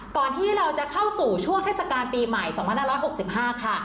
ก่อนที่เราจะเข้าสู่ช่วงเทศกาลปีใหม่สองพันหน้าร้อยหกสิบห้าค่ะ